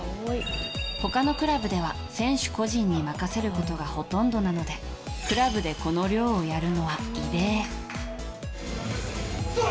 他のクラブでは選手個人に任せることがほとんどなのでクラブでこの量をやるのは異例。